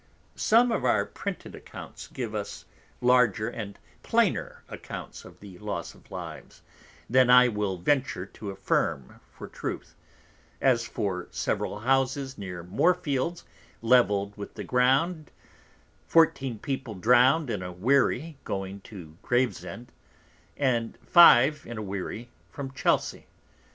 Some of our printed Accounts give us larger and plainer Accounts of the Loss of Lives, than I will venture to affirm for Truth; as of several Houses near Moor Fields levell'd with the Ground: Fourteen People drowned in a Wherry going to Gravesend, and Five in a Wherry from Chelsey.